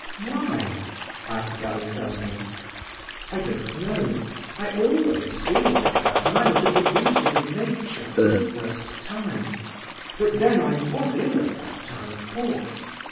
"Why?" asked Alexandra. "I don't know; I always feel like that when I look at the beauties of nature for the first time; but then, I was ill at that time, of course!"